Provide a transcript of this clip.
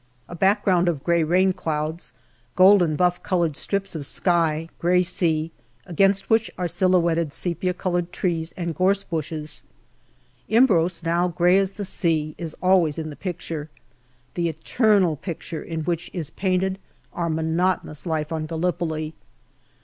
A background of grey rain clouds, golden buff coloured strips of sky, grey sea, against which are silhouetted sepia coloured trees and gorse bushes. Imbros, now grey as 250 GALLIPOLI DIARY the sea, is always in the picture the eternal picture in which is painted our monotonous life on Gallipoli.